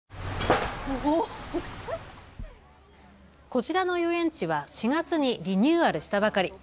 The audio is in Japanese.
こちらの遊園地は４月にリニューアルしたばかり。